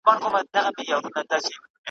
چي آزاد له پنجرو سي د ښکاریانو ,